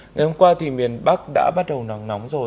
ngày hôm qua thì miền bắc đã bắt đầu nắng nóng rồi